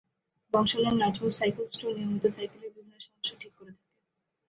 বংশালের Nazmul cycle store নিয়মিত সাইকেলের বিভিন্ন সমস্যা ঠিক করে থাকে।